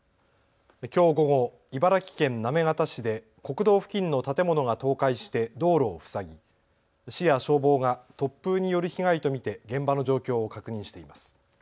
きょう午後、茨城県行方市で国道付近の建物が倒壊して道路を塞ぎ市や消防が突風による被害と見て現場の状況を確認しています。